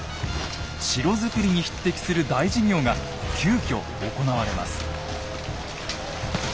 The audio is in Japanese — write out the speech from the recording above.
城造りに匹敵する大事業が急きょ行われます。